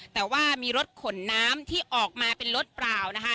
แต่ว่ามีรถขนน้ำที่ออกมาเป็นรถเปล่านะคะ